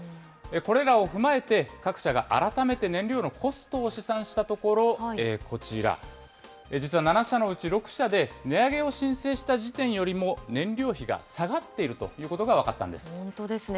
これらを踏まえて各社が改めて燃料のコストを試算したところ、こちら、実は７社のうち６社で、値上げを申請した時点よりも、燃料費が下がっているということが本当ですね。